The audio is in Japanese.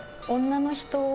女の人が」。